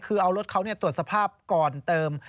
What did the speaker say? คือเอารถเขาตรวจสภาพก่อนเติม